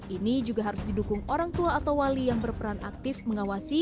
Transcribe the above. ini juga harus didukung orang tua atau wali yang berperan aktif mengawasi